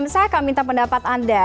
saya akan minta pendapat anda